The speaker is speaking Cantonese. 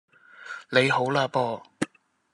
你好啦播